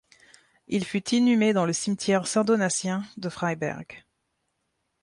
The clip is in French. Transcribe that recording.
Il fut inhumé dans le cimetière saint-Donatien de Freiberg.